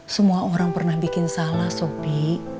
semua orang pernah bikin salah sopi